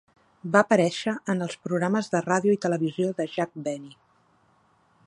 Va aparèixer en els programes de ràdio i televisió de Jack Benny.